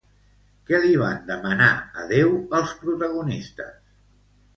Què li van demanar a Déu els protagonistes?